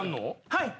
はい。